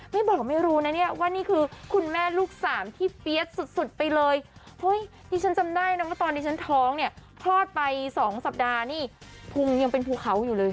ไม่บอกไม่รู้นะเนี่ยว่านี่คือคุณแม่ลูกสามที่เปี๊ยดสุดสุดไปเลยเฮ้ยที่ฉันจำได้นะว่าตอนที่ฉันท้องเนี่ยคลอดไปสองสัปดาห์นี่พุงยังเป็นภูเขาอยู่เลย